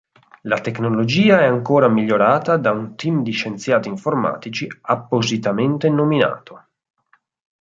La tecnologia è ancora migliorata da un team di scienziati informatici appositamente nominato.